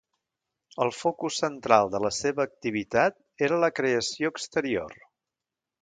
El focus central de la seva activitat era la creació exterior.